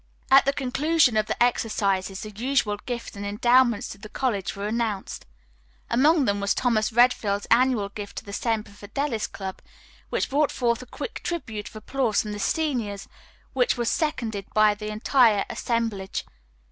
At the conclusion of the exercises the usual gifts and endowments to the college were announced. Among them was Thomas Redfield's annual gift to the Semper Fidelis Club, which brought forth a quick tribute of applause from the seniors, which was seconded by the entire assemblage.